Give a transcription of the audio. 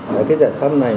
cái giải pháp này